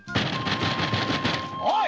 おい！